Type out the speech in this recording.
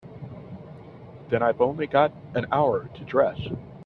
Then I've only got an hour to dress.